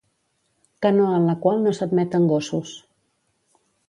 Canoa en la qual no s'admeten gossos.